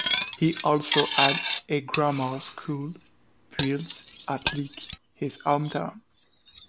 He also had a grammar school built at Leek, his home town.